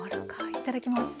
いただきます。